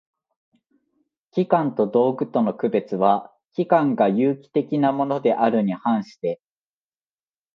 器官と道具との区別は、器官が有機的（生命的）なものであるに反して